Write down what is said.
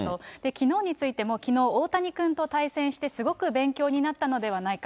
きのうについても、きのう、大谷君と対戦してすごく勉強になったのではないか。